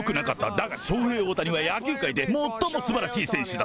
だがショーヘイ・オオタニは野球界でもっともすばらしい選手だ。